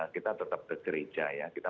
kita tetap ke gereja ya